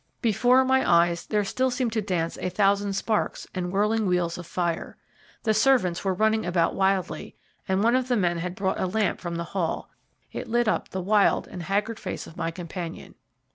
Before my eyes there still seemed to dance a thousand sparks and whirling wheels of fire. The servants were running about wildly, and one of the men had brought a lamp from the hall it lit up the wild and haggard face of my companion.